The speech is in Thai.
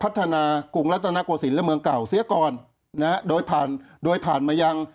กรุงรัฐนาโกศิลปและเมืองเก่าเสียก่อนนะฮะโดยผ่านโดยผ่านมายัง